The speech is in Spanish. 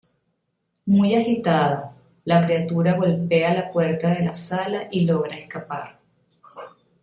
Muy agitada, la criatura golpea la puerta de la sala y logra escapar.